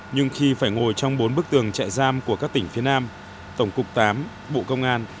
nhưng khi phải ngồi trong bốn bức tường chạy giam của các tỉnh phía nam tổng cục tám bộ công an